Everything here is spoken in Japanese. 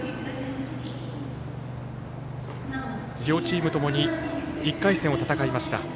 両チームともに１回戦を戦いました。